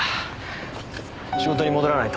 仕事に戻らないと。